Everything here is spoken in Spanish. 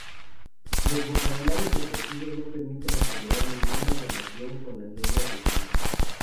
Los vocabularios recogidos no permiten asegurar ninguna relación con las lenguas vecinas.